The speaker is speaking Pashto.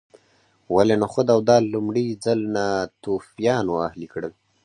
ولې نخود او دال لومړي ځل ناتوفیانو اهلي کړل